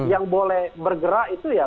yang boleh bergerak itu ya